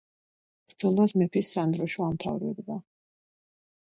ბრძოლას მეფის სადროშო ამთავრებდა.